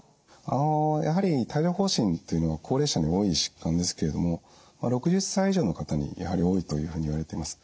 あのやはり帯状ほう疹というのは高齢者に多い疾患ですけれども６０歳以上の方にやはり多いというふうにいわれてます。